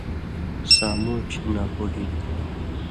سامُوٹھیۡ ناپُوہی تھی